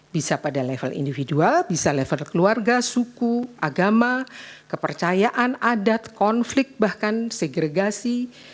bisa pada level individual bisa level keluarga suku agama kepercayaan adat konflik bahkan segregasi